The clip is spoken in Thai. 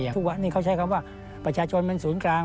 ทุกวันนี้เขาใช้คำว่าประชาชนเป็นศูนย์กลาง